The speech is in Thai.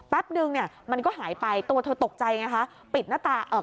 แป๊บนึงมันก็หายไปตัวเธอตกใจไง